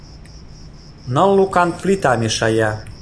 Ныл лукан плита мешая.